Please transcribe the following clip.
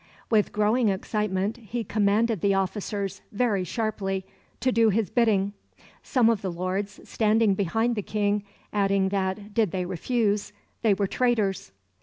With growing excitement, he commanded the officers, "very sharply," to do his bidding; some of the lords, standing behind the King, adding that, did they refuse, they were traitors.